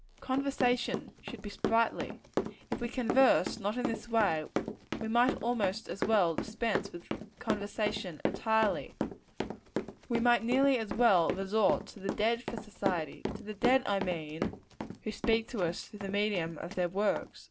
Conversation should be sprightly. If we converse not in this way, we might almost as well dispense with conversation entirely. We might nearly as well resort to the dead for society; to the dead, I mean, who speak to us through the medium of their works.